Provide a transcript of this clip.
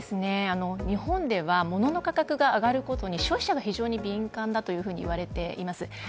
日本では物の価格が上がることに消費者が非常に敏感だといわれています。